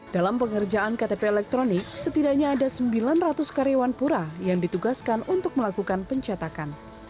dalam pengerjaan ktp elektronik setidaknya ada sembilan ratus karyawan pura yang ditugaskan untuk melakukan pencetakan